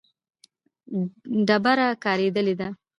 ډبره کارېدلې ده.